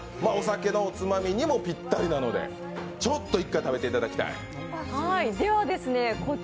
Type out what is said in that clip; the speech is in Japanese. お酒のおつまみにもぴったりなので食べていただきたい。